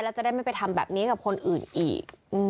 แล้วจะได้ไม่ไปทำแบบนี้กับคนอื่นอีก